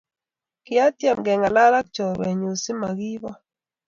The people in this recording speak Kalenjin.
kiatem kengalal ak chorwenyu simakiibo